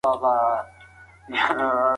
حکومت اعلان وکړ چی نوي روغتونونه به جوړ کړي.